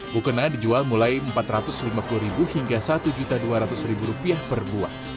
mukena dijual mulai empat ratus lima puluh ribu hingga satu dua ratus rupiah per buah